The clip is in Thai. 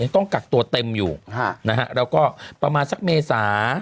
ต้องกักตัวเต็มอยู่นะฮะแล้วก็ประมาณสักเมษา